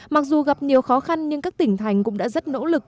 mặc dù gặp nhiều khó khăn nhưng các tỉnh thành cũng đã rất nỗ lực